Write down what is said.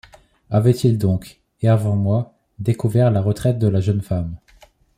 Avait-il donc, et avant moi, découvert la retraite de la jeune femme ?